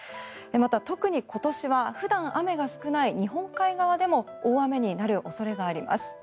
また、特に今年は普段雨が少ない日本海側でも大雨になる恐れがあります。